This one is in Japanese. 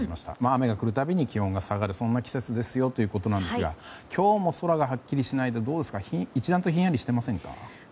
雨が来るたびに気温が下がるそんな季節ですよということですが今日も空がはっきりしなくて一段とひんやりしていますが？